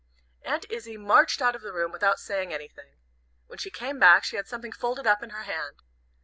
Aunt Izzie marched out of the room without saying anything. When she came back she had something folded up in her hand.